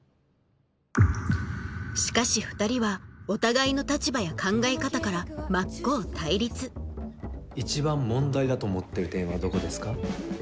しかし２人はお互いの立場や考え方から真っ向対立一番問題だと思ってる点はどこですか？